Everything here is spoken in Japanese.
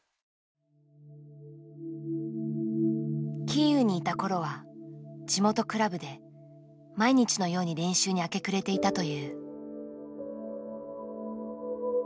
キーウにいた頃は地元クラブで毎日のように練習に明け暮れていたという。